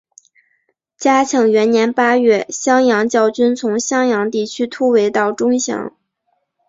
嘉庆元年八月襄阳教军从襄阳地区突围到钟祥。